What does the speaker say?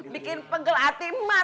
bikin pegel hati mak